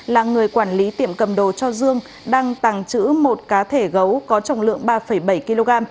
là người quản lý tiệm cầm đồ cho dương đang tàng trữ một cá thể gấu có trọng lượng ba bảy kg